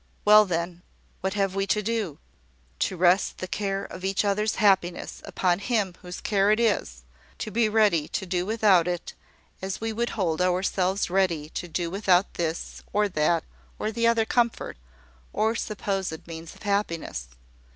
Well, then, what have we to do? To rest the care of each other's happiness upon Him whose care it is: to be ready to do without it, as we would hold ourselves ready to do without this, or that, or the other comfort, or supposed means of happiness.